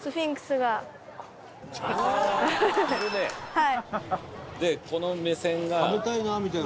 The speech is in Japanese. はい。